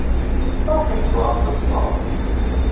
Maɣef ay tebɣamt ad teẓremt?